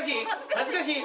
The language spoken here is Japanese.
恥ずかしい？